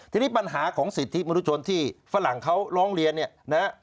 ทีนี้ปัญหาของสิทธิมนุชนที่ฝรั่งเขาร้องเรียนเนี่ยนะฮะ